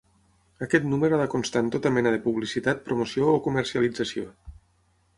Aquest número ha de constar en tota mena de publicitat, promoció o comercialització.